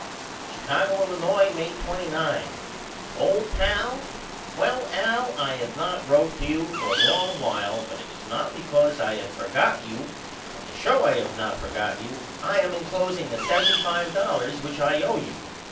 Chicago, Illinois, May 29. OLD PAL: Well Al I have not wrote to you for a long while but it is not because I have forgot you and to show I have not forgot you I am encloseing the $75.00 which I owe you.